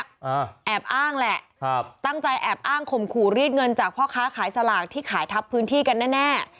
อ่าแอบอ้างแหละครับตั้งใจแอบอ้างข่มขู่รีดเงินจากพ่อค้าขายสลากที่ขายทับพื้นที่กันแน่แน่